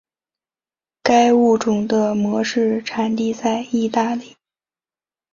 该物种的模式产地在意大利。